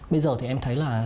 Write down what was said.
bây giờ thì em thấy là